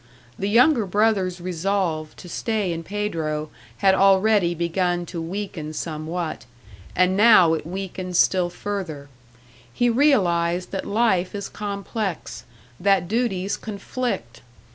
The younger brother's resolve to stay in Pedro had already begun to weaken somewhat, and now it weakened still further; he realised that life is complex, that duties conflict!